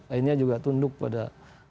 akhirnya juga tunduk pada